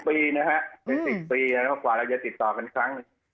ก็เป็นสิบปีนะครับมีสิบปีก่อนเราจะติดต่อกันครั้ง